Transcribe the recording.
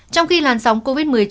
trong khi làn sóng covid một mươi chín